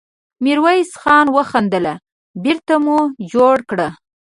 ميرويس خان وخندل: بېرته مو جوړه کړه!